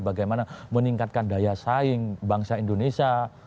bagaimana meningkatkan daya saing bangsa indonesia